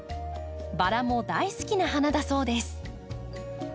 バラも大好きな花だそうです。